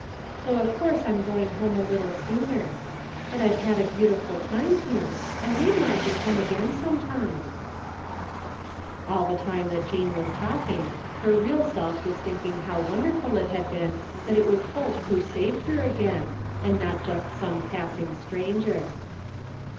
So of course I'm going home a little sooner. But I've had a beau tiful time here, and maybe I can come again some time." 189 THE FINDING OF JASPER HOLT All the time that Jean was talking her real self was thinking how wonderful it had been that it was Holt who saved her again and not just some passing stranger.